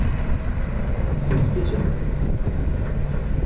Tund kecha